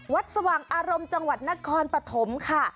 สว่างอารมณ์จังหวัดนครปฐมค่ะ